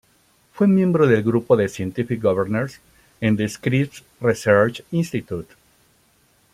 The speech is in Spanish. Fue miembro del grupo de Scientific Governors en The Scripps Research Institute.